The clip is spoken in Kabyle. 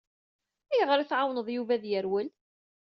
Ayɣer i tɛawneḍ Yuba ad yerwel?